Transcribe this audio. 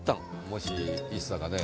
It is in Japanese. もしＩＳＳＡがね。